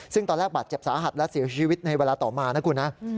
ซึ่งตอนแรกบาดเจ็บสาหัสและเสียชีวิตในเวลาต่อมานะคุณนะ